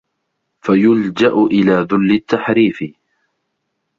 فَيُلْجَأَ إلَى ذُلِّ التَّحْرِيفِ